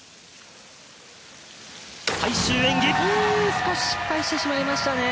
少し失敗してしまいましたね。